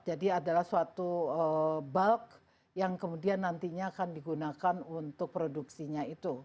jadi adalah suatu bulk yang kemudian nantinya akan digunakan untuk produksinya itu